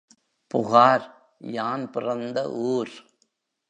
புகார், யான் பிறந்த ஊர்.